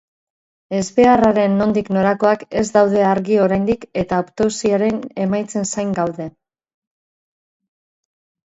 Ezbeharraren nondik norakoak ez daude argi oraindik eta autopsiaren emaitzen zain daude.